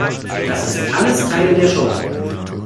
Das ist alles Teil der Show.